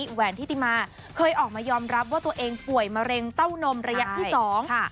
แหวนทิติมาเคยออกมายอมรับว่าตัวเองป่วยมะเร็งเต้านมระยะที่สองค่ะ